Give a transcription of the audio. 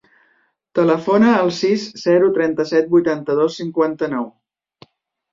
Telefona al sis, zero, trenta-set, vuitanta-dos, cinquanta-nou.